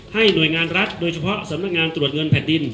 หน่วยงานรัฐโดยเฉพาะสำนักงานตรวจเงินแผ่นดิน